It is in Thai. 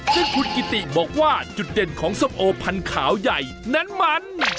ซึ่งคุณกิติบอกว่าจุดเด่นของส้มโอพันธุ์ใหญ่นั้นมัน